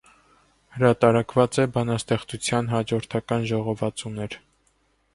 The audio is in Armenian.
Հրատարակած է բանաստեղծութեան յաջորդական ժողովածուներ։